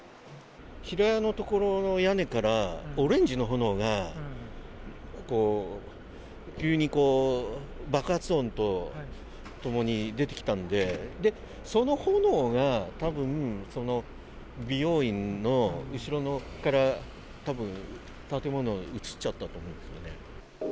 平屋の所の屋根から、オレンジの炎が急に爆発音とともに出てきたんで、その炎がたぶん、美容院の後ろから、たぶん、建物に移っちゃったと思うんですよね。